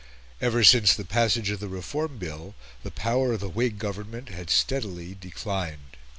Ever since the passage of the Reform Bill, the power of the Whig Government had steadily declined.